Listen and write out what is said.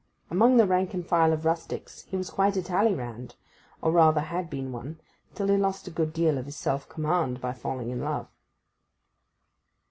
Among the rank and file of rustics he was quite a Talleyrand, or rather had been one, till he lost a good deal of his self command by falling in love.